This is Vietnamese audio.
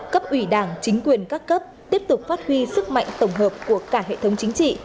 cấp ủy đảng chính quyền các cấp tiếp tục phát huy sức mạnh tổng hợp của cả hệ thống chính trị